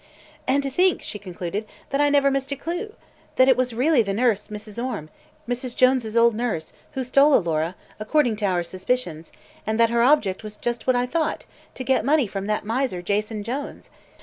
"And to think," she concluded, "that I never missed a clew! That it was really the nurse, Mrs. Orme Mrs. Jones' old nurse who stole Alora, according to our suspicions, and that her object was just what I thought, to get money from that miser Jason Jones!